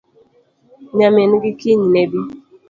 Nyamingi kiny nebii